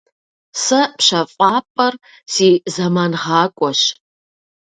Сэ пщэфӏапӏэр си зэмангъакӏуэщ.